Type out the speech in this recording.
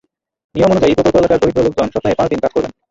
নিয়ম অনুযায়ী, প্রকল্প এলাকার দরিদ্র লোকজন সপ্তাহে পাঁচ দিন কাজ করবেন।